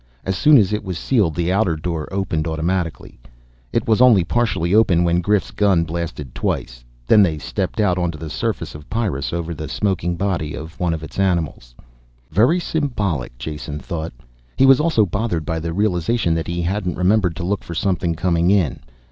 As soon as it was sealed the outer door opened automatically. It was only partly open when Grif's gun blasted twice. Then they stepped out onto the surface of Pyrrus, over the smoking body of one of its animals. Very symbolic, Jason thought. He was also bothered by the realization that he hadn't remembered to look for something coming in.